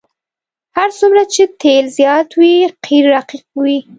هر څومره چې تیل زیات وي قیر رقیق وي